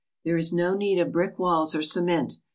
There is no need of brick walls or cement.